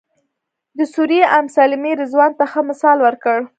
د سوریې ام سلمې رضوان ته ښه مثال ورکړ.